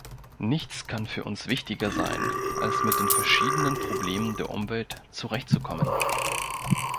Nichts kann für uns wichtiger sein, als mit den verschiedenen Problemen der Umwelt zurechtzukommen.